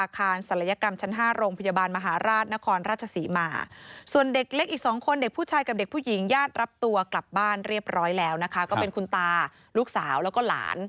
ก็เป็นคุณตาลูกสาวแล้วก็หลาน